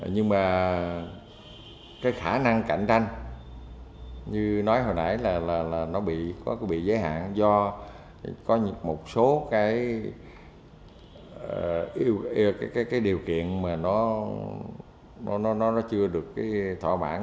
nhưng mà cái khả năng cạnh tranh như nói hồi nãy là nó bị giới hạn do có một số cái điều kiện mà nó chưa được cái thỏa mãn